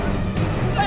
pak pak pak